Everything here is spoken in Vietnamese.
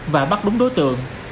và bắt đúng đối tượng